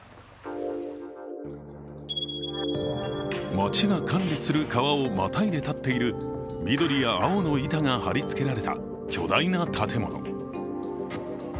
町が管理する川をまたいで立っている、緑や青の板が貼り付けられた巨大な建物。